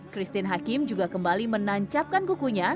christine hakim juga kembali menancapkan bukunya